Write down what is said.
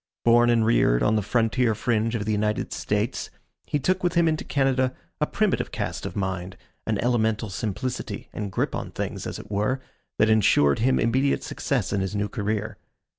Born and reared on the frontier fringe of the United States, he took with him into Canada a primitive cast of mind, an elemental simplicity and grip on things, as it were, that insured him immediate success in his new career.